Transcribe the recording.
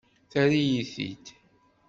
Terra-yi-t-id.